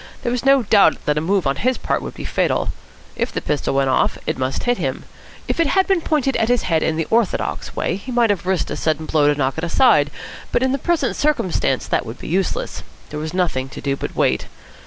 There was no doubt that a move on his part would be fatal. If the pistol went off, it must hit him. If it had been pointed at his head in the orthodox way he might have risked a sudden blow to knock it aside, but in the present circumstances that would be useless. There was nothing to do but wait.